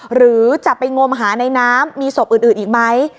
หรือจะไปงมหาในน้ำมีศพอื่นอีกไหม